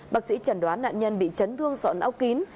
bác sĩ chẩn đoán nạn nhân bị chấn thương sọn não kín